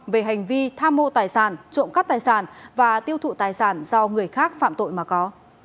về hành vi tham mô tài sản trộm cắp tài sản và tiêu thụ tài sản do người khác phạm tội mà có